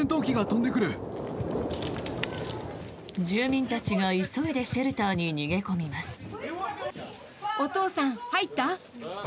住民たちが急いでシェルターに逃げ込みます。